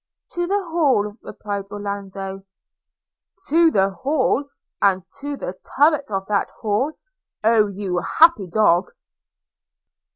'To the Hall,' replied Orlando. 'To the Hall! – and to the turret of that Hall! – Oh! you happy dog!'